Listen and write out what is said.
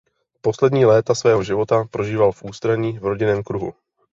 Poslední léta svého života prožíval v ústraní v rodinném kruhu.